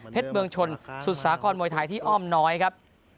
เมืองชนสุสากรมวยไทยที่อ้อมน้อยครับ